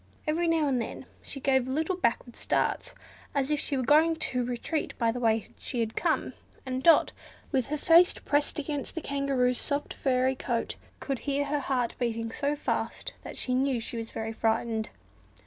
Every now and then she gave little backward starts, as if she were going to retreat by the way she had come, and Dot, with her face pressed against the Kangaroo's soft furry coat, could hear her heart beating so fast that she knew she was very frightened.